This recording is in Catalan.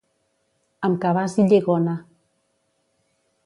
Amb cabàs i lligona.